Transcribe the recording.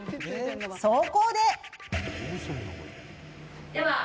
そこで。